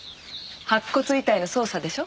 白骨遺体の捜査でしょ？